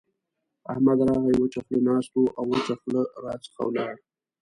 احمد راغی؛ وچه خوله ناست وو او وچه خوله راڅخه ولاړ.